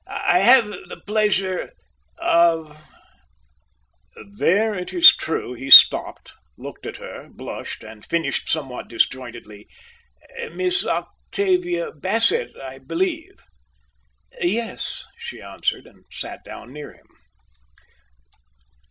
"I have the pleasure of" There, it is true, he stopped, looked at her, blushed, and finished somewhat disjointedly. "Miss Octavia Bassett, I believe." "Yes," she answered, and sat down near him.